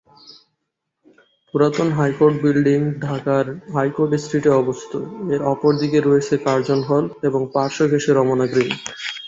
পুরাতন high court building ঢাকার high court স্ট্রিটে অবস্থিত, এর অপর দিকে রয়েছে কার্জন হল এবং পার্শ্ব ঘেঁষে রমনা গ্রীন